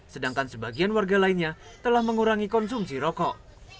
sedangkan sebagian warga lainnya telah mengurangi konsumsi rokok